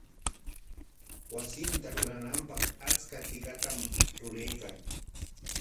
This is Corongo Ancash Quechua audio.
Wasinta rurananpaq achka tikatam ruraykan.